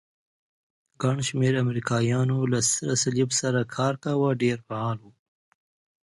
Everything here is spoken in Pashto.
ګڼ شمېر امریکایانو له سرې صلیب سره کار کاوه، ډېر فعال وو.